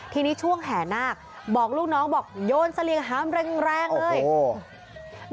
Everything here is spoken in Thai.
ทีนี้ช่วงแห่นาคบอกลูกน้องบอกโยนเสลี่ยงหามแรงแรงเลย